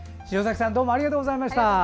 城咲さんどうもありがとうございました。